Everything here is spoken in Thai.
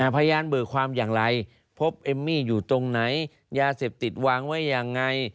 พยานเบิกความอย่างไรพบเอมมี่อยู่ตรงไหนยาเสพติดวางไว้ยังไง